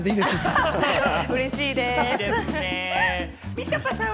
みちょぱさん！